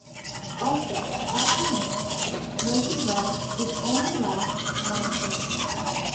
Also, at Atlanta, Murphy led his only lap on the season.